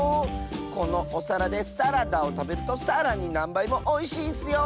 このおさらで「サラ」ダをたべると「さら」になんばいもおいしいッスよ！